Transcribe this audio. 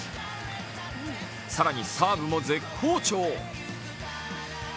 更にサーブも絶好調。